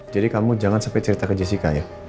jadi kamu jangan sampai cerita ke jessica ya